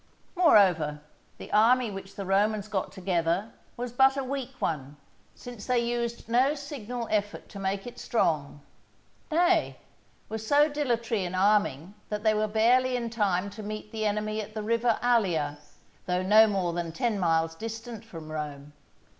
Moreover, the army which the Romans got together was but a weak one, since they used no signal effort to make it strong; nay, were so dilatory in arming that they were barely in time to meet the enemy at the river Allia, though no more than ten miles distant from Rome.